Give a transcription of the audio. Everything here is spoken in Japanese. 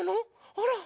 あら。